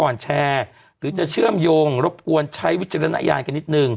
แล้วเอาจริงขออีกนินะครับ